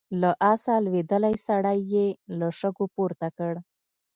له آسه لوېدلی سړی يې له شګو پورته کړ.